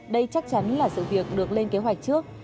đây chắc chắn là sự việc được lên kế hoạch trước